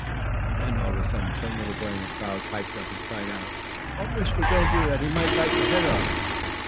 And then, all of a sudden, some little boy in the crowd piped up and cried out: "Oh, Mister, don't do that! He might bite your head off!"